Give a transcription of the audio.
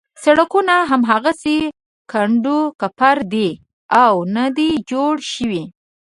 سړکونه هماغسې کنډو کپر دي او نه دي جوړ شوي.